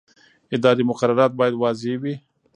اداري مقررات باید واضح وي.